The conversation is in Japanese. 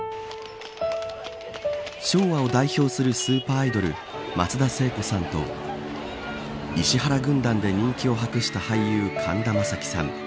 昭和を代表するスーパーアイドル松田聖子さんと石原軍団で人気を博した俳優神田正輝さん。